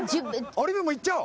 オリーブもいっちゃおう。